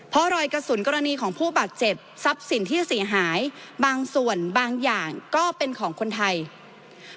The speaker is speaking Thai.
เพราะรอยกระสุนกรณีของผู้บาดเจ็บทรัพย์สินที่เสียหายบางส่วนบางอย่างก็เป็นของคนไทย